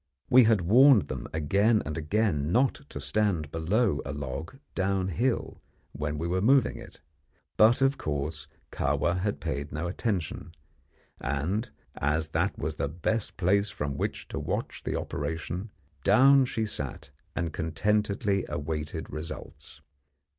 We had warned them again and again not to stand below a log downhill when we were moving it, but, of course, Kahwa had paid no attention, and, as that was the best place from which to watch the operation, down she sat and contentedly awaited results.